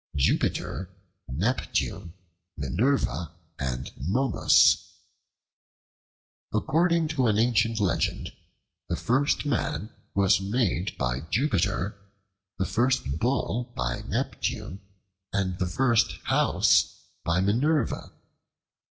Jupiter, Neptune, Minerva, and Momus ACCORDING to an ancient legend, the first man was made by Jupiter, the first bull by Neptune, and the first house by Minerva.